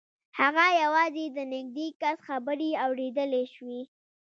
هغه یوازې د نږدې کس خبرې اورېدلای شوې